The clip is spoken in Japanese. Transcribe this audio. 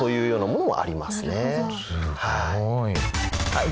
はい。